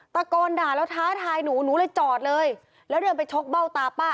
ตะโกนด่าแล้วท้าทายหนูหนูเลยจอดเลยแล้วเดินไปชกเบ้าตาป้า